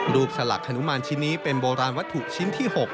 สลักฮนุมานชิ้นนี้เป็นโบราณวัตถุชิ้นที่๖